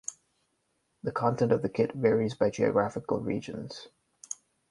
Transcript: The content of the kit varies by geographical regions.